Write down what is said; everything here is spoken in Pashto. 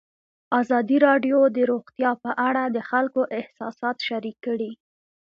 ازادي راډیو د روغتیا په اړه د خلکو احساسات شریک کړي.